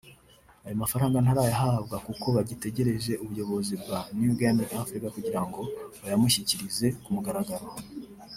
Ayo mafaranga ntarayahabwa kuko bagitegereje ubuyobozi bwa New Gaming Africa kugira ngo buyamushyikirize ku mugaragaro